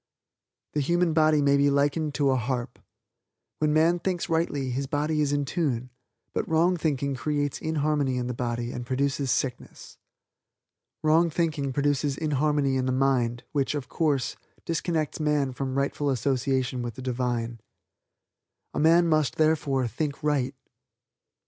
The human body may be likened to a harp. When man thinks rightly his body is in tune; but wrong thinking creates inharmony in the body and produces sickness. Wrong thinking produces inharmony in the mind, which, of course, disconnects man from rightful association with the Divine. A man must, therefore, think right.